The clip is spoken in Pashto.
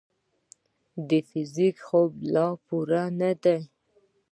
د فزیک خواب لا پوره نه دی.